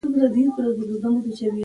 ښه عمل د بریا بنسټ دی.